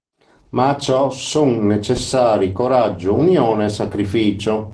Ma a ciò son necessari coraggio, unione e sacrificio.